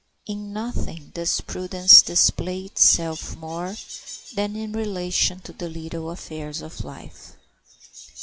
In nothing does prudence display itself more than in relation to the little affairs of life.